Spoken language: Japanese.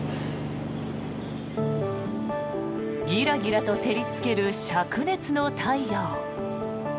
ギラギラと照りつけるしゃく熱の太陽。